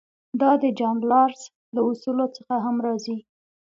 دا د جان رالز له اصولو څخه هم راځي.